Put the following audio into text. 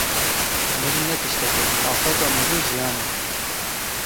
Mirin ne tiştek e, afeta mezin jiyan e.